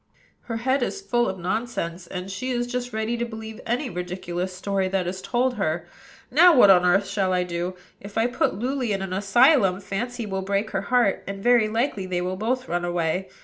Her head is full of nonsense, and she is just ready to believe any ridiculous story that is told her. Now, what on earth shall I do? If I put Luly in an asylum, Fancy will break her heart, and very likely they will both run away.